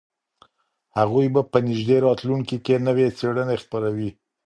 هغوی به په نږدې راتلونکي کي نوې څېړنې خپروي.